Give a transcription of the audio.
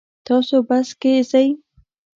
تاسو بس کې ځئ؟